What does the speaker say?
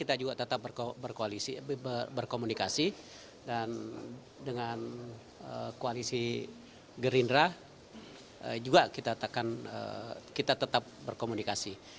kita juga tetap berkomunikasi dan dengan koalisi gerindra juga kita tetap berkomunikasi